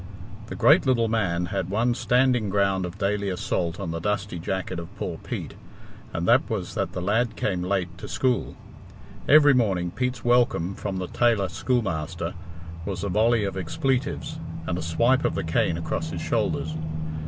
The great little man had one standing ground of daily assault on the dusty jacket of poor Pete, and that was that the lad came late to school. Every morning Pete's welcome from the tailor schoolmaster was a volley of expletives, and a swipe of the cane across his shoulders.